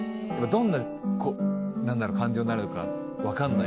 どんな感情になるのか分かんないんで。